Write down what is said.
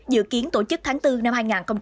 dự kiến tổ chức tháng bốn năm hai nghìn hai mươi